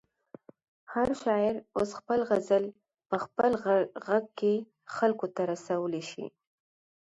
هر شاعر اوس خپل غزل په خپل غږ کې خلکو ته رسولی شي.